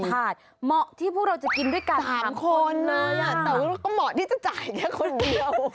ก็เหมาะที่จะจ่ายอย่างงี้คนเดียว